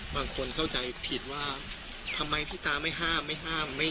บางคนเข้าใจผิดว่าทำไมพี่ตาไม่ห้ามไม่ห้าม